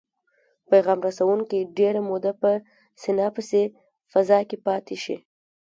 پیغام رسوونکي ډیره موده په سیناپسي فضا کې پاتې شي.